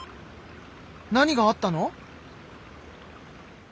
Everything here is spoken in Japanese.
何があったの？